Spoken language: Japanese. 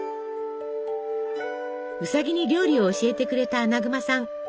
ウサギに料理を教えてくれたアナグマさん。